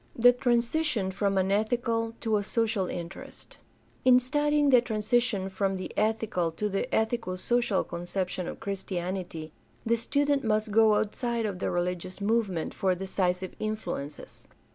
The transition from an ethical to a social interest. — In studying the transition from the ethical to the ethico social conception of Christianity the student must go outside of the religious movement for decisive influences.